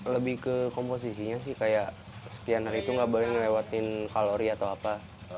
lebih ke komposisinya sih kayak sekian hari itu nggak boleh ngelewatin kalori atau apa